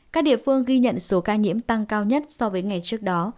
các địa phương ghi nhận số ca nhiễm tăng cao nhất so với ngày trước đó